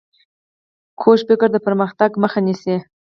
کوږ فکر د پرمختګ مخ نیسي